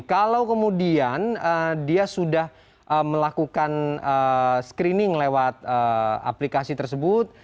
kalau kemudian dia sudah melakukan screening lewat aplikasi tersebut